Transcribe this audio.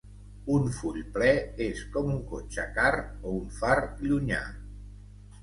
Un "full ple" és com un "cotxe car" o un "far llunyà".